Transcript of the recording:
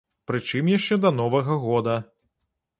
Прычым яшчэ да новага года.